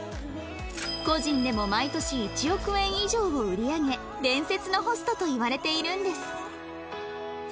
個人でも毎年１億円以上を売り上げ「伝説のホスト」と言われているんです